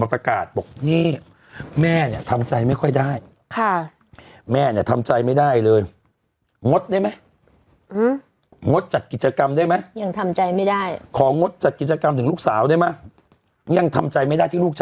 เรามีเงินเราทำงานหนักเรามีเงินลูก